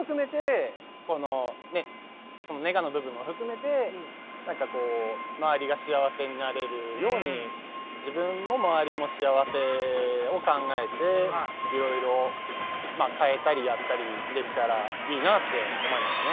このねそのネガの部分も含めて何かこう周りが幸せになれるように自分も周りも幸せを考えていろいろまあ変えたりやったりできたらいいなって思いましたね。